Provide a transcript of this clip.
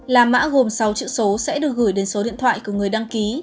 là mã gồm sáu chữ số sẽ được gửi đến số điện thoại của người đăng ký